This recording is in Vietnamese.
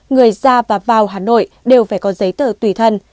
người ra và vào hà nội đều phải có giấy tờ tùy thân